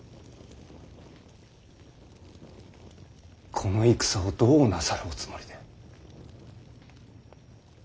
この戦をどうなさるおつもりで？